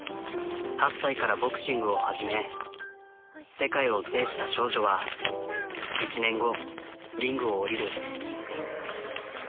８歳からボクシングを始め世界を制した少女は１年後リングを降りる。